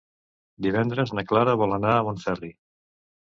Divendres na Clara vol anar a Montferri.